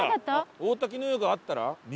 大滝乃湯があったら右？